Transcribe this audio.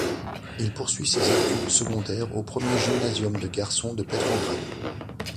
Il poursuit ses études secondaires au Premier gymnasium de garçons de Pétrograd.